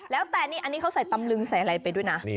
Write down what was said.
แล้วแต่นี่อันนี้เขาใส่ตำลึงใส่อะไรไปด้วยนะ